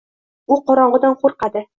U qorong`idan qo`rqadi